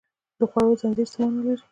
د خوړو زنځیر څه مانا لري